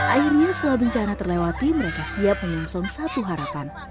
akhirnya setelah bencana terlewati mereka siap menyongsong satu harapan